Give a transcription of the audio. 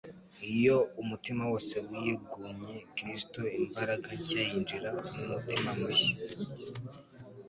Iyo umutima wose wiyegunye Kristo imbaraga nshya yinjira mu mutima mushya.